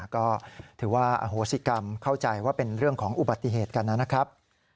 ก็ถือว่าอโหสิกรรมเข้าใจว่าเป็นเรื่องของอุบัติเหตุกันนะครับ